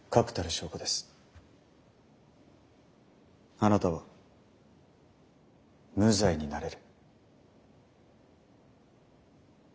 あなたは無罪になれる。